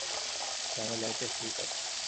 বামে লাইটের সুইচ আছে।